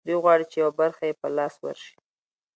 دوی غواړي چې یوه برخه یې په لاس ورشي